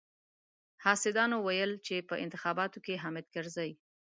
حاسدانو ويل چې په انتخاباتو کې حامد کرزي.